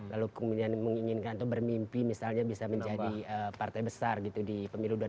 lalu kemudian menginginkan atau bermimpi misalnya bisa menjadi partai besar gitu di pemilu dua ribu sembilan belas